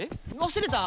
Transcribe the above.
忘れた？